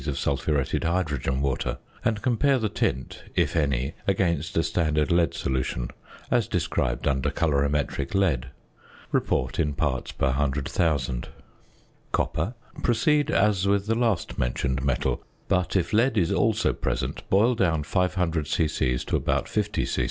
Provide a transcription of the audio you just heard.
of sulphuretted hydrogen water, and compare the tint, if any, against a standard lead solution, as described under Colorimetric Lead. Report in parts per 100,000. ~Copper.~ Proceed as with the last mentioned metal; but, if lead is also present, boil down 500 c.c. to about 50 c.c.